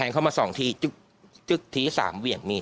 มาสองทีจึกที่สามเวียงมีด